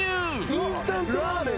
インスタントラーメン